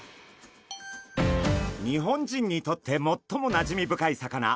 日本人にとってもっともなじみ深い魚マダイ。